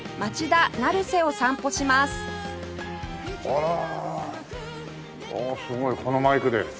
あすごいこのマイクで。